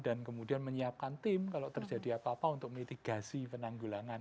dan kemudian menyiapkan tim kalau terjadi apa apa untuk mitigasi penanggulangan